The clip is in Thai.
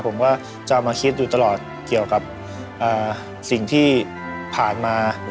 ผมก็จะมาคิดดูตลอดเกี่ยวกับสิ่งที่ผ่านมา